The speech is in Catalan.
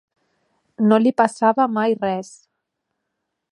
No li passava mai res